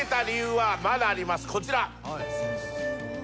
こちら。